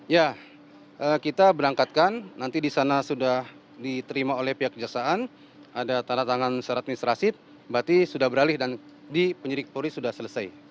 ya kita berangkatkan nanti di sana sudah diterima oleh pihak kejaksaan ada tanda tangan secara administrasi berarti sudah beralih dan di penyidik polri sudah selesai